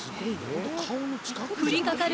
降りかかる